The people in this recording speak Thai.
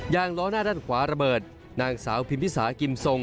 ล้อหน้าด้านขวาระเบิดนางสาวพิมพิสากิมทรง